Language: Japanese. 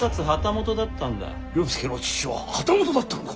了助の父は旗本だったのか！？